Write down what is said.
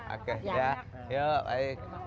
oke ya yuk baik